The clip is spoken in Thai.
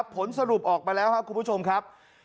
ผลสรุปออกมาแล้วครับคุณผู้ชมครับ